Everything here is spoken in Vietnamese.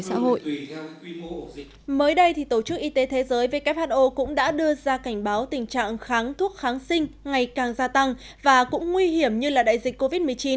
các y tế thế giới who cũng đã đưa ra cảnh báo tình trạng kháng thuốc kháng sinh ngày càng gia tăng và cũng nguy hiểm như là đại dịch covid một mươi chín